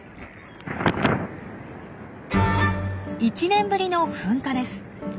１年ぶりの噴火です。